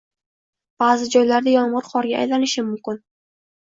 Baʼzi joylarda yomgʻir qorga aylanishi mumkin.